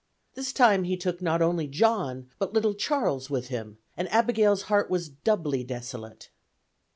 This time he took not only John but little Charles with him, and Abigail's heart was doubly desolate.